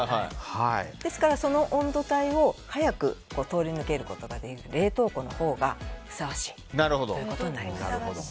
ですから、その温度帯を早く通り抜けるために冷凍庫のほうがふさわしいということになります。